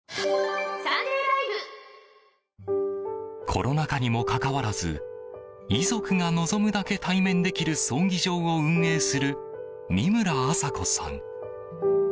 コロナ禍にもかかわらず遺族が望むだけ対面できる葬儀場を運営する三村麻子さん。